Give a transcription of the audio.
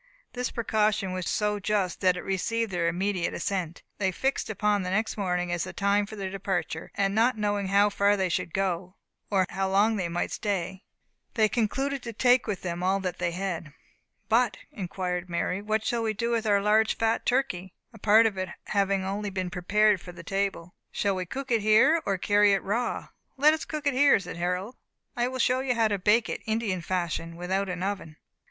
This precaution was so just that it received their immediate assent. They fixed upon the next morning as the time for their departure; and not knowing how far they should go, or how long they might stay, they concluded to take with them all that they had. "But," inquired Mary, "what shall we do with our large fat turkey?" (a part of it only having been prepared for the table); "shall we cook it here, or carry it raw?" "Let us cook it here," said Harold; "I will show you how to bake it, Indian fashion, without an oven."